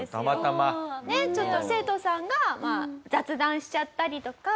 ちょっと生徒さんが雑談しちゃったりとか。